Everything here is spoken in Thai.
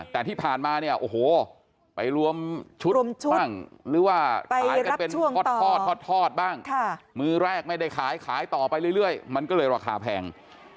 แต่ที่ผ่านมาเนี่ยโอ้โหไปรวมชุดรวมชุดบ้างหรือว่าขายกันเป็นทอดบ้างมือแรกไม่ได้ขายขายต่อไปเรื่อยมันก็เลยราคาแพง